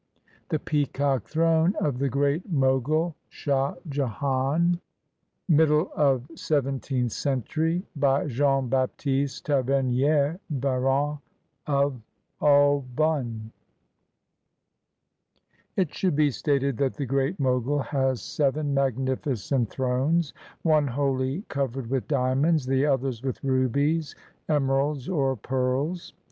THE PEACOCK THRONE OF THE GREAT MOGUL, SHAH JEHAN [Middle of seventeenth century] BY JEAN BAPTISTE TAVERNIER, BARON OF AUBONNE It should be stated that the Great Mogul has seven magnificent thrones, one wholly covered with diamonds, the others with rubies, emeralds, or pearls.